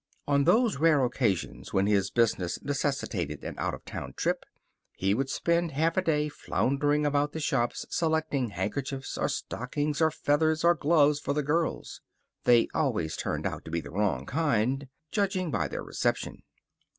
On those rare occasions when his business necessitated an out of town trip, he would spend half a day floundering about the shops selecting handkerchiefs, or stockings, or feathers, or gloves for the girls. They always turned out to be the wrong kind, judging by their reception.